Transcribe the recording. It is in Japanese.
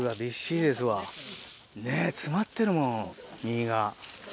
ねっ詰まってるもん実が。